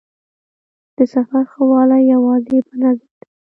د سفر ښه والی یوازې په نظم دی.